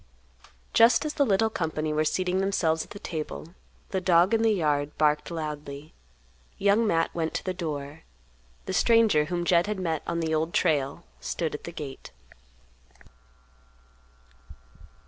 Just as the little company were seating themselves at the table, the dog in the yard barked loudly. Young Matt went to the door. The stranger, whom Jed had met on the Old Trail, stood at the gate.